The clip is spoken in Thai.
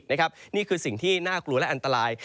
นี่คือสิ่งที่น่ากลัวและอันตราย